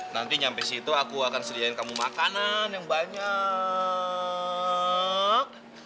nanti sampai situ aku akan sediain kamu makanan yang banyak